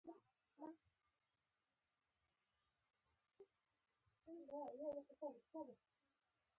دا د انسان د دوام ستر راز دی.